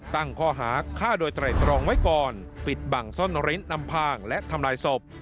ตั้งข้อหาฆ่าโดยไตรตรองไว้ก่อนปิดบังซ่อนริ้นอำพางและทำลายศพ